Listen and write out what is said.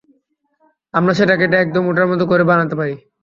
আমরা সেটা কেটে, একদম ওটার মত করে বানাতে পারি।